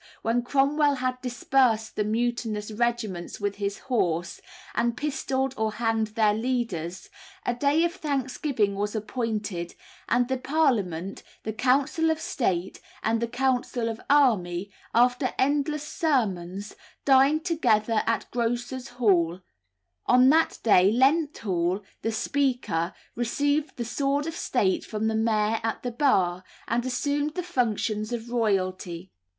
when Cromwell had dispersed the mutinous regiments with his horse, and pistolled or hanged their leaders, a day of thanksgiving was appointed, and the Parliament, the Council of State, and the Council of the Army, after endless sermons, dined together at Grocers' Hall; on that day Lenthall, the Speaker, received the sword of state from the mayor at the Bar, and assumed the functions of royalty.